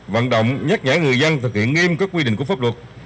vận động nhắc nhở người dân thực hiện nghiêm các quy định của pháp luật